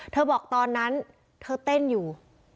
บอกตอนนั้นเธอเต้นอยู่